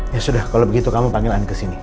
ya sudah kalo begitu kamu panggil ani kesini